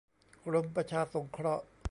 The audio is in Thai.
กรมประชาสงเคราะห์